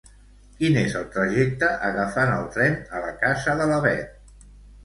Quin és el trajecte agafant el tren a la casa de la Beth?